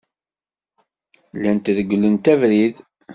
Llant reglent abrid.